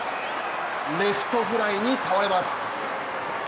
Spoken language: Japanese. レフトフライに倒れます。